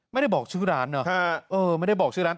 ไม่ได้บอกชื่อร้านเนอะไม่ได้บอกชื่อร้าน